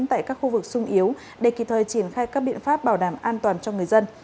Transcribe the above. tại các khu vực sung yếu để kịp thời triển khai các biện pháp bảo đảm an toàn cho người dân